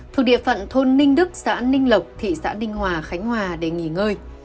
thuộc địa phận thôn ninh đức xã ninh lộc thị xã ninh hòa khánh hòa để nghỉ ngơi